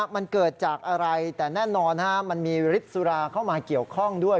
มันเกิดจากอะไรแต่แน่นอนมันมีฤทธิ์สุราเข้ามาเกี่ยวข้องด้วย